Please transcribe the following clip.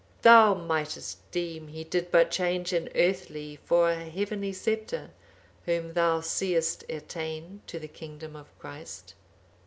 Thou mightest deem he did but change an earthly for a heavenly sceptre, whom thou seest attain to the kingdom of Christ."